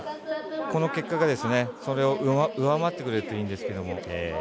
この結果が、それを上回ってくれるといいんですけど。